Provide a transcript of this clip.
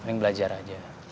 mending belajar aja